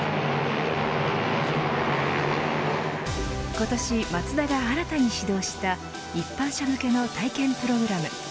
今年マツダが新たに始動した一般車向けの体験プログラム。